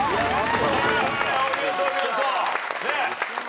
お見事お見事。